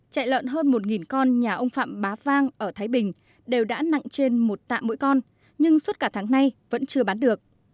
chạy lợn hơn một con nhà ông phạm bá vang ở thái bình đều đã nặng trên một tạ mỗi con nhưng suốt cả tháng nay vẫn chưa bán được